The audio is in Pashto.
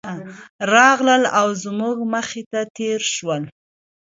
راغلل او زموږ مخې ته تېر شول.